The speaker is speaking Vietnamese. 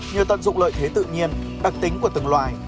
nhờ tận dụng lợi thế tự nhiên đặc tính của từng loài